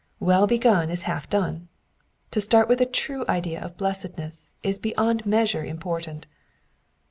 Well begun is half done. To start with a true idea of blessedness is beyond measure important.